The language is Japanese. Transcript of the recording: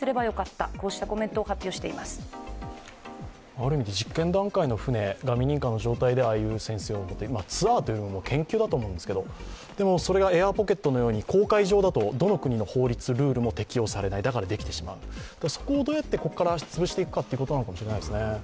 ある意味で実験段階の船が未認可の状態でああいう潜水を受けてツアーというのも研究だと思うんですがでもそれがエアーポケットのように公海上だと、どの国のルールも適用されない、だからできてしまう、そこをどうやってここから潰していくかということなのかもしれないですね。